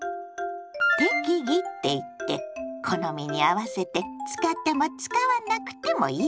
「適宜」っていって好みに合わせて使っても使わなくてもいいってこと。